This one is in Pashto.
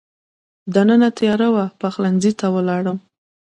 دننه تېاره وه، پخلنځي ته ولاړم.